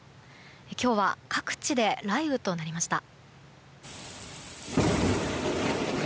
今日は各地で雷雨となりました。